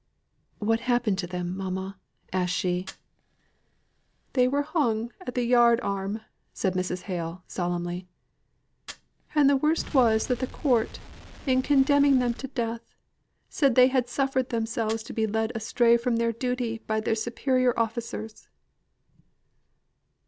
"What happened to them, mamma?" asked she. "They were hung at the yard arm," said Mrs. Hale, solemnly. "And the worst was that the court, in condemning them to death, said they had suffered themselves to be led astray from their duty by their superior officers."